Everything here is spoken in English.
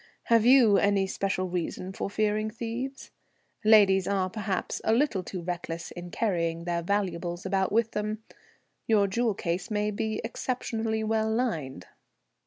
Have you any special reason for fearing thieves? Ladies are perhaps a little too reckless in carrying their valuables about with them. Your jewel case may be exceptionally well lined."